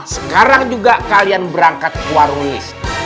sekarang juga kalian berangkat ke warung ini